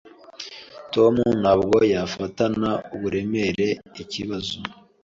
Tom ntabwo yafatana uburemere ikibazo.